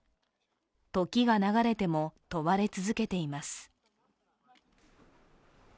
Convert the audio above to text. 時が流れても、問われ続けています